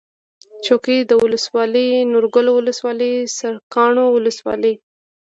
څوکۍ ولسوالي نورګل ولسوالي سرکاڼو ولسوالي